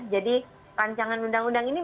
jadi rancangan undang undang ini